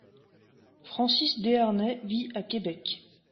Francis Desharnais vit à Québec.